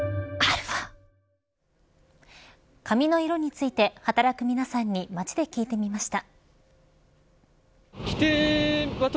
髪の色について働く皆さんに街で聞いてみました。